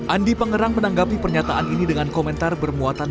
andi pangerang menanggapi pernyataan ini dengan komentar bermuatan